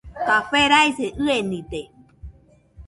Café raise ɨenide.